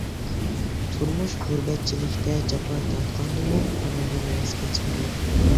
تۇرمۇشى غۇربەتچىلىكتە جاپا تارتقاندىمۇ ئۇنىڭدىن ۋاز كەچمىدى.